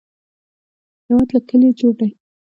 هېواد له کلیو جوړ دی